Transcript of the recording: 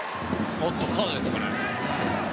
おっと、カードですかね。